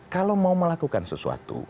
kalau mau melakukan sesuatu